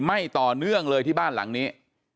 ต่อเนื่องเลยที่บ้านหลังนี้